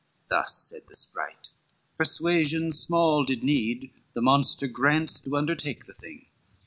Thus said the sprite. Persuasion small did need, The monster grants to undertake the thing.